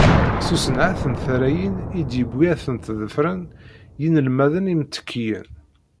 S usenɛet n tarrayin i d-yewwi ad tent-ḍefren yinelmaden imttekkiyen.